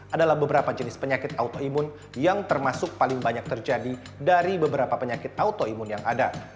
adalah beberapa jenis penyakit autoimun yang termasuk paling banyak terjadi dari beberapa penyakit autoimun yang ada